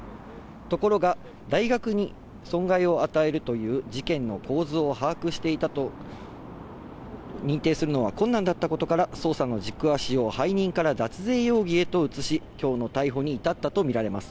ところが、大学に損害を与えるという事件の構図を把握していたと認定するのは困難だったことから、捜査の軸足を背任から脱税容疑へと移し、きょうの逮捕に至ったと見られます。